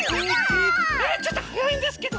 えっちょっとはやいんですけど！